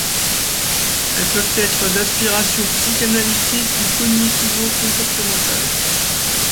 Elles peuvent être d'inspiration psychanalytique ou cognitivo-comportementale.